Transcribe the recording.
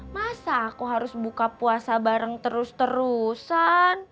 masa aku harus buka puasa bareng terus terusan